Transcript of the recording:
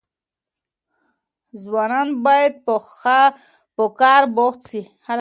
ځوانان بايد په کار بوخت سي.